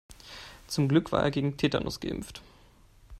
Zum Glück war er gegen Tetanus geimpft.